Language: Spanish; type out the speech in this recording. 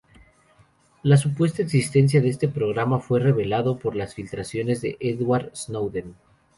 La supuesta existencia de este programa fue revelado por las filtraciones de Edward Snowden.